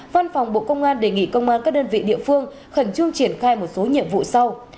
văn phòng bộ công an đề nghị công an các đơn vị địa phương khẩn trương triển khai một số nhiệm vụ sau